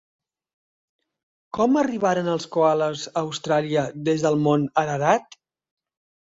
Com arribaren els coales a Austràlia des del mont Ararat?